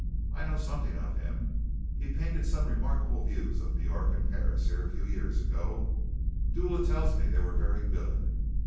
I know something of him. He painted some rather remarkable views of New York and Paris here a few years ago. Dula tells me they were very good."